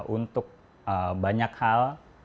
untuk banyak hal